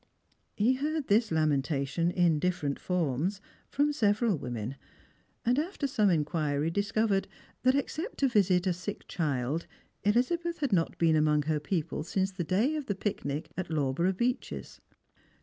He heard this lamentation, in different forms, from several women, and after some inquiry discovered that, exceptto visit a sick child, Elizabeth had not been among her people since the day of the picnic at Lawborough Beeches.